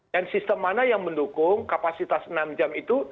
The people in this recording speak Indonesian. dan sistem mana yang mendukung kapasitas enam jam itu